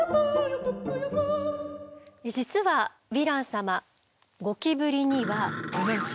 実はヴィラン様ゴキブリには。